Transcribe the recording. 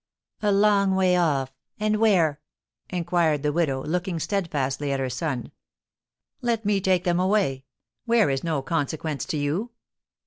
"A long way off, and where?" inquired the widow, looking steadfastly at her son. "Let me take them away, where is no consequence to you."